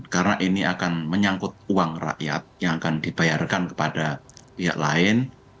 karena ini akan menyangkut uang rakyat yang akan dibayarkan kepada pihak lain